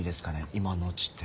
「今のうち」って。